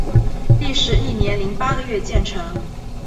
历时一年零八个月建成。